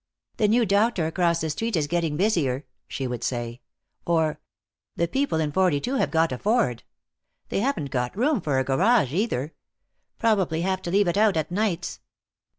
"That new doctor across the street is getting busier," she would say. Or, "The people in 42 have got a Ford. They haven't got room for a garage, either. Probably have to leave it out at nights."